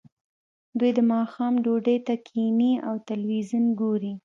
دوی د ماښام ډوډۍ ته کیښني او تلویزیون ګوري